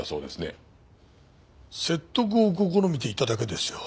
説得を試みていただけですよ。